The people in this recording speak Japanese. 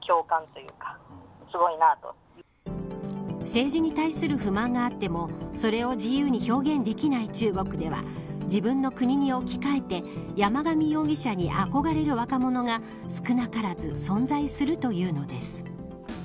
政治に対する不満があってもそれを自由に表現できない中国では自分の国に置き換えて山上容疑者に憧れる若者が少なからず存在するというのです。